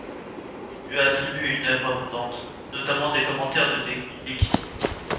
On lui a attribué une œuvre abondante, notamment des commentaires de textes bibliques.